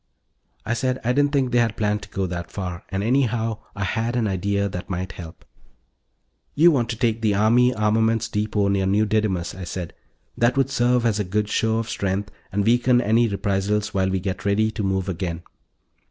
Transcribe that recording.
I said I didn't think they planned to go that far, and, anyhow, I had an idea that might help. "You want to take the Army armaments depot near New Didymus," I said. "That would serve as a good show of strength, and weaken any reprisals while we get ready to move again."